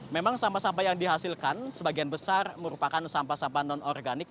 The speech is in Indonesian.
memang sampah sampah yang dihasilkan sebagian besar merupakan sampah sampah non organik